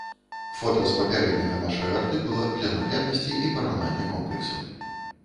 Фота з папярэдняга нашага артыкула для нагляднасці і параўнання комплексу.